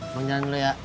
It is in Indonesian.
bang jalan dulu ya